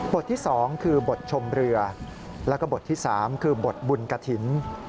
ที่๒คือบทชมเรือแล้วก็บทที่๓คือบทบุญกฐิน